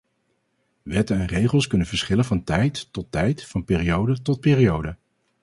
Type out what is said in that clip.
Wetten en regels kunnen verschillen van tijd tot tijd, van periode tot periode.